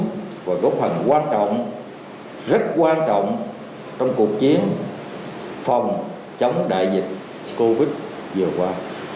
họ đã đặt một số phần quan trọng rất quan trọng trong cuộc chiến phòng chống đại dịch covid vừa qua